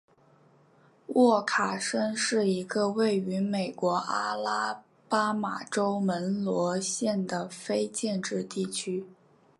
沃卡申是一个位于美国阿拉巴马州门罗县的非建制地区。